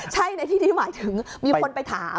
ใช่ในที่ที่หมายถึงมีคนไปถาม